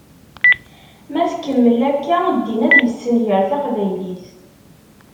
Ma tkemmel akka, ddin ad yessenger taqbaylit.